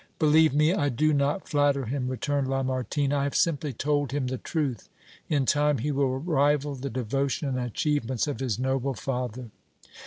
"Believe me, I do not flatter him," returned Lamartine; "I have simply told him the truth; in time he will rival the devotion and achievements of his noble father!"